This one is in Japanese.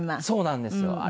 そうなんですよ。